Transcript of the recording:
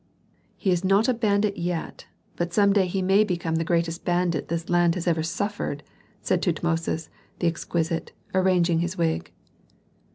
"He is not a bandit yet, but some day he may become the greatest bandit this land has ever suffered," said Tutmosis the exquisite, arranging his wig.